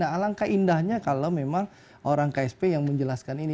alangkah indahnya kalau memang orang ksp yang menjelaskan ini